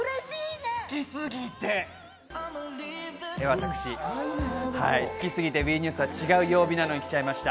私、好きすぎて、ＷＥニュースは違う曜日なのに来ちゃいました。